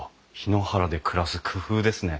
檜原で暮らす工夫ですね。